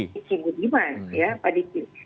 diki budiman ya pak diki